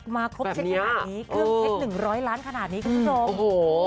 มาครบเช็ดขนาดนี้เครื่องเท็จ๑๐๐ล้านขนาดนี้ก็ทรง